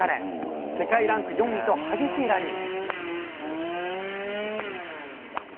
世界ランク４位と激しいラリー。